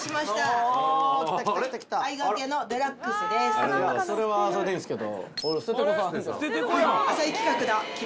あれ⁉それはそれでいいんですけど。